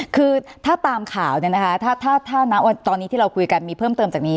คือถ้าตามข่าวเนี่ยนะคะถ้าตอนนี้ที่เราคุยกันมีเพิ่มเติมจากนี้